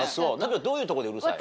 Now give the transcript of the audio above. どういうとこでうるさい？